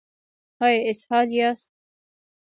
ایا اسهال یاست؟